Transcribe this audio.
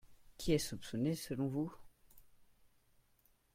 Qui est soupçonné selon vous ?